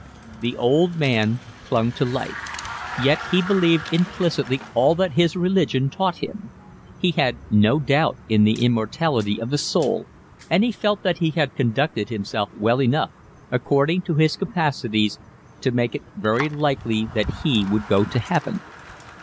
The old man clung to life. Yet he believed implicitly all that his religion taught him. He had no doubt in the immortality of the soul, and he felt that he had conducted himself well enough, according to his capacities, to make it very likely that he would go to heaven.